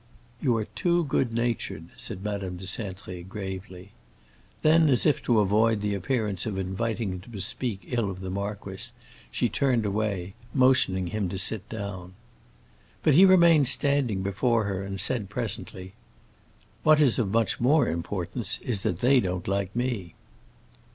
"You are too good natured," said Madame de Cintré gravely. Then, as if to avoid the appearance of inviting him to speak ill of the marquis, she turned away, motioning him to sit down. But he remained standing before her and said presently, "What is of much more importance is that they don't like me."